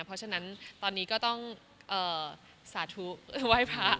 เพราะฉะนั้นตอนนี้ก็ต้องสาธุไหว้พระ